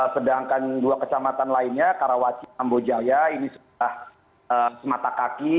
sedangkan dua kecamatan lainnya karawaci ambojaya ini sudah semata kaki